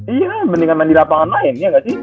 iya mendingan mandi lapangan main